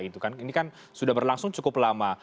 ini kan sudah berlangsung cukup lama